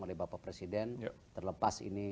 oleh bapak presiden terlepas ini